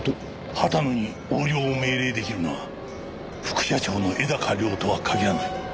畑野に横領を命令出来るのは副社長の絵高良とは限らない。